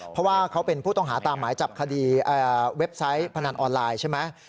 เพราะว่าเขาเป็นผู้ต้องหาตามหมายจับคดีเว็บไซต์พนันออนไลน์ใช่ไหม